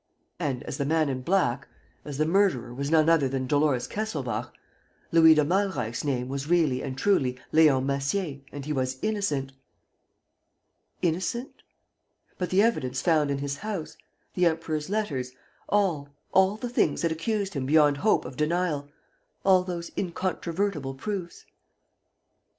And, as the man in black, as the murderer was none other than Dolores Kesselbach, Louis de Malreich's name was really and truly Leon Massier and he was innocent! Innocent? But the evidence found in his house, the Emperor's letters, all, all the things that accused him beyond hope of denial, all those incontrovertible proofs?